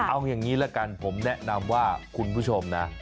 เอาอย่างนี้ละกันผมแนะนำว่าคุณผู้ชมนะ